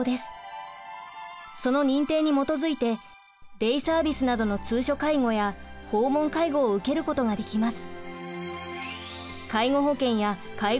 その認定に基づいてデイサービスなどの通所介護や訪問介護を受けることができます。